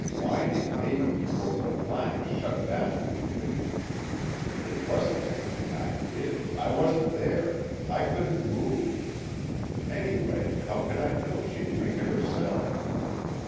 Whining maybe before the Blank shut down complete: _It wasn't anything I did, I wasn't there, I couldn't move, anyway how could I know she'd drink it herself?